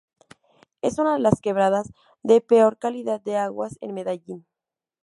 Es una de las quebradas de peor calidad de aguas en Medellín.